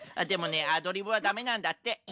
でもねアドリブはダメなんだって。